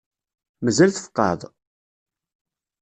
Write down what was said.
Mazal tfeqεeḍ?